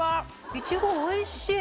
イチゴおいしい。